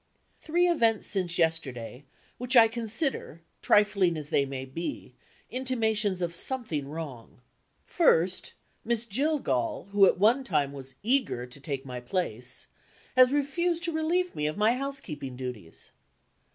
Three events since yesterday, which I consider, trifling as they may be, intimations of something wrong. First, Miss Jillgall, who at one time was eager to take my place, has refused to relieve me of my housekeeping duties.